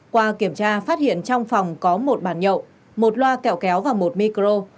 qua kiểm tra phát hiện trong phòng có một bàn nhậu một loa kẹo kéo và một micro